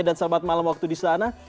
dan selamat malam waktu di sana